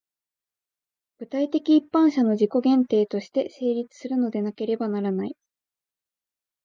具体的一般者の自己限定として成立するのでなければならない。